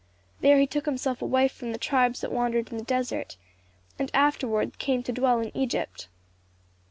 There he took to himself a wife from the tribes that wandered in the desert and afterward came to dwell in Egypt.